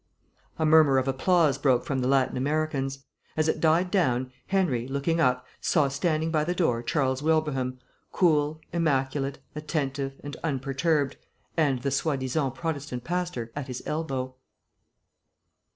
A murmur of applause broke from the Latin Americans. As it died down, Henry, looking up, saw standing by the door Charles Wilbraham, cool, immaculate, attentive, and unperturbed, and the soi disant Protestant pastor at his elbow.